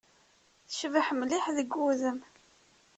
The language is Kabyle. Tecbeḥ mliḥ deg wudem.